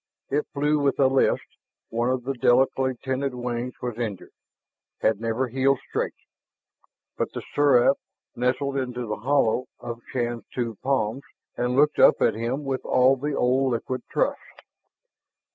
It flew with a list; one of the delicately tinted wings was injured, had never healed straight. But the seraph nestled into the hollow of Shann's two palms and looked up at him with all the old liquid trust.